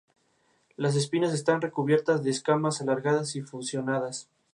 Las espinas están recubiertas de escamas alargadas y fusionadas.